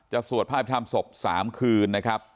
จะสวดภาพธรรมศพสามคืนนะครับ